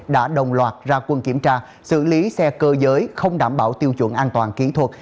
đã đồng loạt ra quân kiểm tra xử lý xe cơ giới không đảm bảo tiêu chuẩn an toàn kỹ thuật